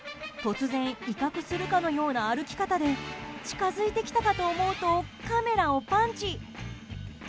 突然、威嚇するかのような歩き方で近づいてきたかと思うとカメラをパンチ！